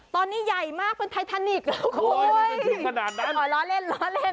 ตอนนี้ใหญ่มากเป็นไททานิกโอ้ยร้อนเล่นร้อนเล่น